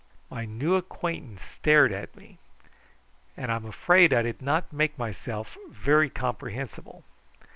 My new acquaintance stared at me, and I'm afraid I did not make myself very comprehensible.